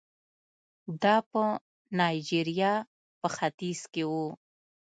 دا په نایجریا په ختیځ کې وو.